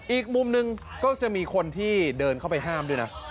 อีกมุมหนึ่งก็จะมีคนที่เดินเข้าไปห้ามด้วยนะ